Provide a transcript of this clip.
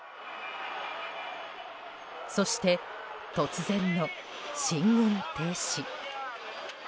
そして、突然の進軍停止。